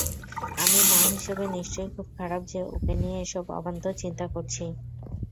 আমি মা হিসেবে নিশ্চয়ই খুব খারাপ যে ওকে নিয়ে এসব অবান্তর চিন্তা করছি!